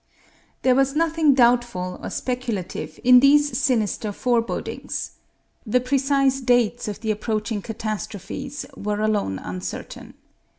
There was nothing doubtful or speculative in these sinister forebodings. The precise dates of the approaching catastrophes were alone uncertain.